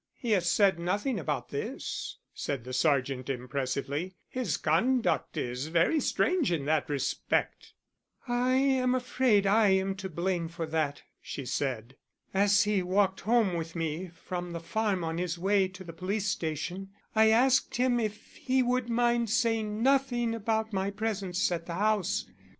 "He has said nothing about this," said the sergeant impressively. "His conduct is very strange in that respect." "I am afraid I am to blame for that," she said. "As he walked home with me from the farm on his way to the police station I asked him if he would mind saying nothing about my presence at the house.